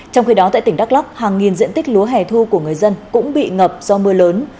trong khi đó tại tỉnh đắk lắk hàng nghìn diện tích lúa hẻ thu của người dân cũng bị ngập do mưa lớn